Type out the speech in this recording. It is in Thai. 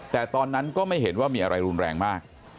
แต่ตอนนั้นก็ไม่เห็นว่ามีอะไรรุนแรงมาก